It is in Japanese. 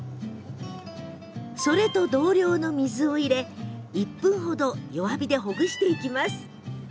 それと同量の水を入れ１分ほど弱火でほぐしていきます。